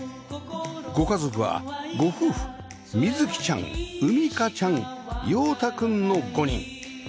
ご家族はご夫婦実月ちゃん海果ちゃん陽太くんの５人